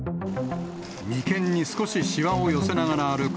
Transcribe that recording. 眉間に少ししわを寄せながら歩く